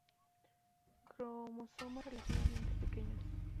Cromosoma relativamente pequeños.